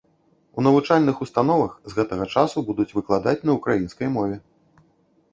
У навучальных установах з гэтага часу будуць выкладаць на ўкраінскай мове.